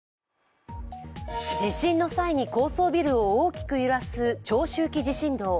地震の際に高層ビルを大きく揺らす長周期地震動。